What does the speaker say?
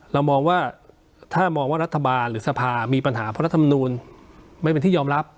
เรามองว่าถ้ามองว่ารัฐบาลหรือสภามีปัญหาเพราะรัฐมนูลไม่เป็นที่ยอมรับ